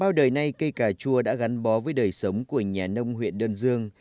bao đời nay cây cà chua đã gắn bó với đời sống của nhà nông huyện đơn dương